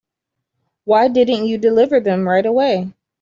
Why didn't you deliver them right away?